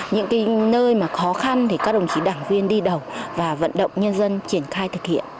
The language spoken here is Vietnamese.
những nơi mà khó khăn thì các đồng chí đảng viên đi đầu và vận động nhân dân triển khai thực hiện